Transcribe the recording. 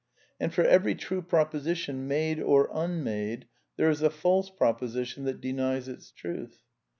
And for every true proposition, made or unmade, there is a false proposition that denies its truth.